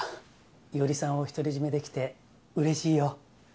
伊織さんを独り占めできてうれしいよ。